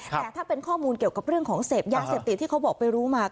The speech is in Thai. แต่ถ้าเป็นข้อมูลเกี่ยวกับเรื่องของเสพยาเสพติดที่เขาบอกไปรู้มา